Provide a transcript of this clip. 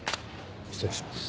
失礼します。